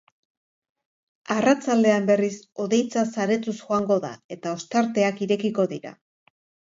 Arratsaldean, berriz, hodeitza saretuz joango da eta ostarteak irekiko dira.